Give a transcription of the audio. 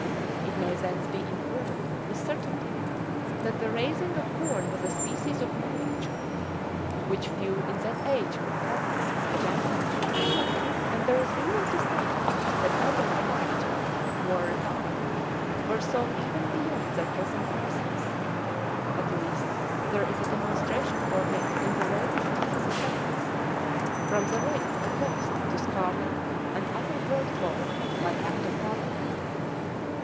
It may thence be inferred with certainty, that the raising of corn was a species of manufactory, which few in that age could practise with advantage: and there is reason to think, that other manufactures, more refined, were sold even beyond their present prices; at least, there is a demonstration for it in the reign of Henry VII., from the rates affixed to scarlet and other broadcloth by act of parliament.